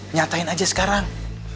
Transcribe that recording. nyatain aja sekarang